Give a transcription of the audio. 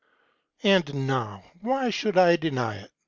"And now, why should I deny it?